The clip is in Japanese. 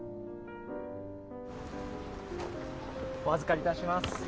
お預かりいたします。